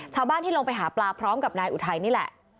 ชาวบ้านที่ลงไปหาปลาพร้อมกับนายอุทัยนี่แหละ